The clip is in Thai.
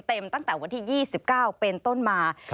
ตั้งแต่วันที่๒๙เป็นต้นมา